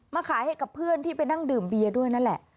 ขายให้กับเพื่อนที่ไปนั่งดื่มเบียร์ด้วยนั่นแหละ